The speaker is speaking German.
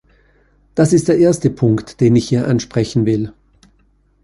Das ist der erste Punkt, den ich hier ansprechen will.